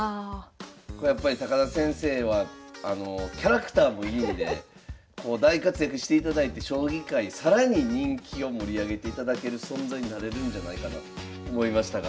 やっぱり田先生はキャラクターもいいんで大活躍していただいて将棋界更に人気を盛り上げていただける存在になれるんじゃないかなと思いましたが。